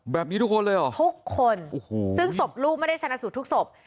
แบบนี้ทุกคนเลยเหรอทุกคนซึ่งสวบลูกไม่ได้ชันสูจน์ทุกสวบ